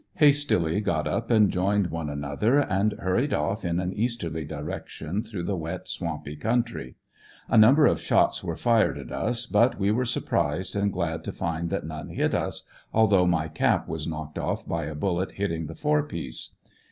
Hastily got up and joined one anotder, and hurried off in an easterly direction through the wet, swamp}^ country. A number of shots were fired at us, but we were surprised and glad to find that none hit us, although my cap was knocked off by a bullet hitting the fore piece.